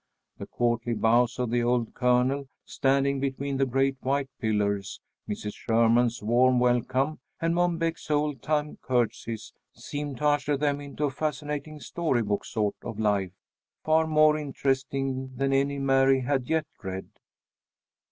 The courtly bows of the old Colonel, standing between the great white pillars, Mrs. Sherman's warm welcome, and Mom Beck's old time curtseys, seemed to usher them into a fascinating story book sort of life, far more interesting than any Mary had yet read.